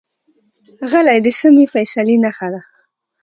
غلی، د سمې فیصلې نښه ده.